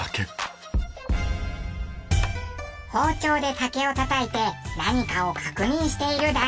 包丁で竹をたたいて何かを確認している男性。